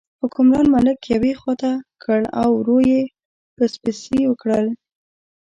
حکمران ملک یوې خوا ته کړ او ور یې پسپسي وکړل.